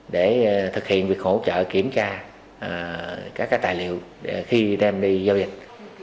để thực hiện việc hỗ trợ kiểm tra các tài liệu khi đem đi giao dịch